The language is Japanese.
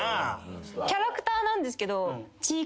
キャラクターなんですけど。